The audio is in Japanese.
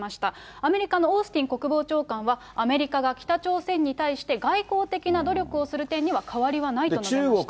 アメリカのオースティン国防長官はアメリカが北朝鮮に対して、外交的な努力をする点には変わりはないと述べました。